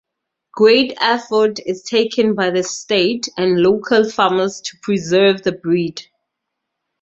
Great effort is taken by the state and local farmers to preserve the breed.